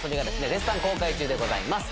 絶賛公開中でございます